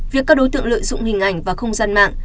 việc các đối tượng lợi dụng hình ảnh và không gian mạng